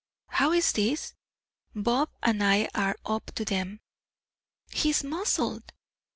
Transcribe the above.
How is this? Bob and I are up to them. _He is muzzled!